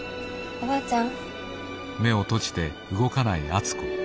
おばあちゃん。